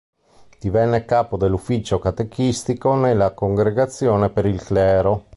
Divenne capo dell'Ufficio Catechistico nella Congregazione per il Clero.